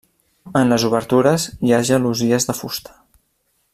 En les obertures hi ha gelosies de fusta.